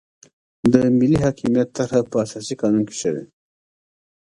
د ملي حاکمیت طرحه په اساسي قانون کې شوې.